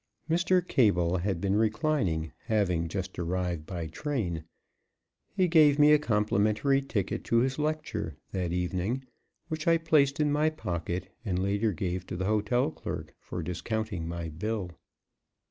Mr. Cable had been reclining, having just arrived by train. He gave me a complimentary ticket to his lecture, that evening, which I placed in my pocket, and later gave to the hotel clerk for discounting my bill.